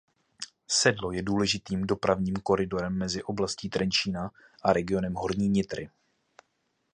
Sedlo je důležitým dopravním koridorem mezi oblastí Trenčína a regionem Horní Nitry.